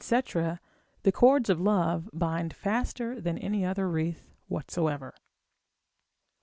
the cords of love bind faster than any other wreath whatsoever.